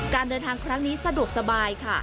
การเดินทางครั้งนี้สะดวกสบายค่ะ